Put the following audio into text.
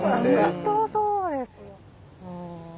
本当そうですよ。